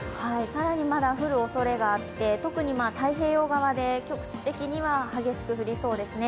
更にまだ降るおそれがあって特に太平洋側で局地的には激しく降りそうですね。